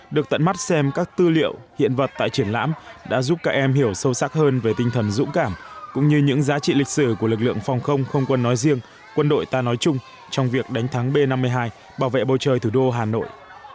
được tận mắt xem các tư liệu hiện vật tại triển lãm đã giúp các em hiểu sâu sắc hơn về tinh thần dũng cảm cũng như những giá trị lịch sử của lực lượng phòng không không quân nói riêng quân đội ta nói chung trong việc đánh thắng b năm mươi hai bảo vệ bầu trời thủ đô hà nội